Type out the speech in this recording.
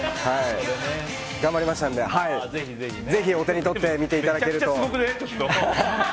頑張りましたので是非お手に取って見ていただきたいと思います。